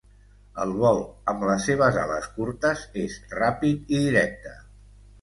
El vol amb les seves ales curtes és ràpid i directe.